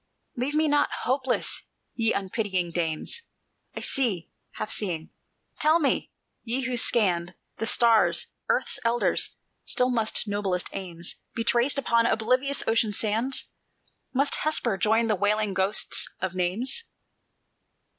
"Leave me not hopeless, ye unpitying dames! I see, half seeing. Tell me, ye who scanned The stars, Earth's elders, still must noblest aims Be traced upon oblivious ocean sands? Must Hesper join the wailing ghosts of names?"